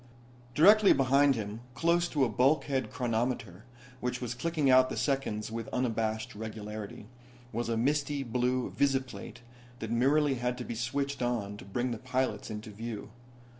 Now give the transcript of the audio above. Directly behind him, close to a bulkhead chronometer, which was clicking out the seconds with unabashed regularity, was a misty blue visiplate that merely had to be switched on to bring the pilots into view.